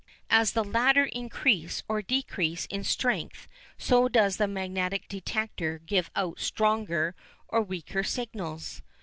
As the latter increase or decrease in strength so does the magnetic detector give out stronger or weaker signals.